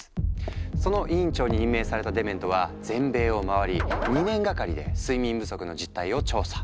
その委員長に任命されたデメントは全米を回り２年がかりで睡眠不足の実態を調査。